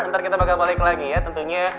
nanti kita bakal balik lagi ya tentunya